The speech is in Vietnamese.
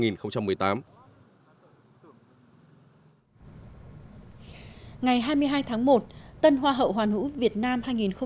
ngày hai mươi hai tháng một tân hoa hậu hoàn vũ việt nam hai nghìn một mươi bảy